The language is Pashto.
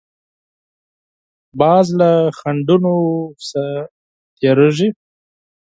باز له خنډونو نه تېرېږي